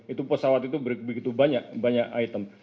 itu pesawat itu begitu banyak banyak item